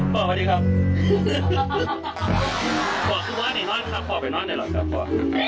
ขอคิดว่านี่นอนครับขอไปนอนหน่อยหรือครับ